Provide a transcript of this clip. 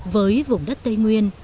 với vùng đất tây nguyên